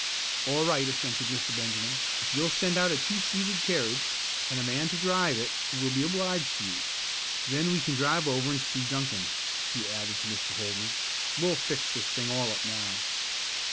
"All right," assented Mr. Benjamin. "If you'll send out a two seated carriage and a man to drive it we'll be obliged to you. Then we can drive over and see Duncan," he added to Mr. Holdney. "We'll fix this thing all up now."